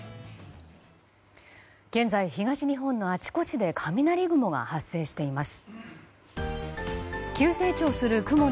現在、東日本のあちこちで雷雲が発生しています。